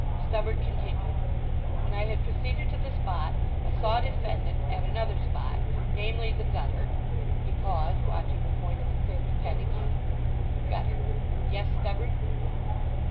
Stubberd continued: "When I had proceeded to the spot I saw defendant at another spot, namely, the gutter." He paused, watching the point of the clerk's pen again. "Gutter, yes, Stubberd."